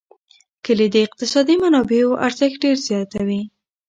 کلي د اقتصادي منابعو ارزښت ډېر زیاتوي.